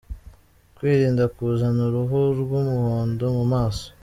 Kirinda kuzana uruhu rw’umuhondo mu maso.